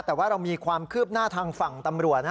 แต่ว่าเรามีความคืบหน้าทางฝั่งตำรวจ